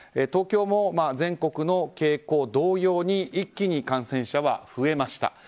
東京も全国の傾向同様に一気に感染者は増えました。